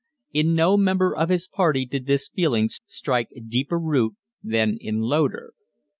In no member of his party did this feeling strike deeper root than in Loder.